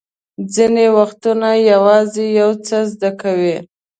ځینې وختونه یوازې یو څه زده کوئ.